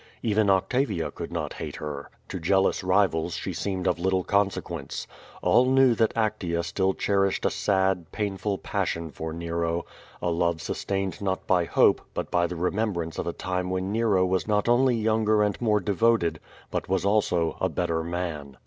Even Octa via could not hate her. To jealous rivals she seemed of little consequence. All knew that Actea still cherished a sad, pain ful passion for Nero, a love sustained not by hope, but by the remembrance of a time when Nero was not only younger and more devoted, but was also a better man.